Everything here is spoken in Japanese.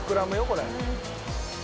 これ。